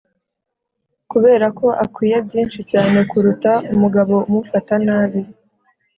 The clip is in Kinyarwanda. Kuberako akwiye byinshi cyane kuruta umugabo umufata nabi